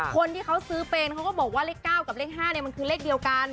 คนที่เขาซื้อเป็นเขาก็บอกว่าเลข๙กับเลข๕มันคือเลขเดียวกัน